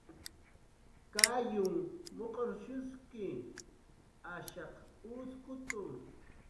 Kayunh muq'rshuski, ashaq uskutu